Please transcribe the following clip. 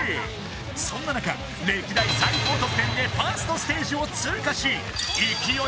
そんな中歴代最高得点でファーストステージを通過し勢い